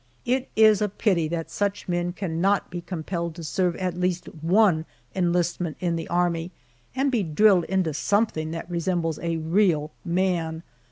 It is a pity that such men cannot be compelled to serve at least one enlistment in the Army, and be drilled into something that resembles a real man.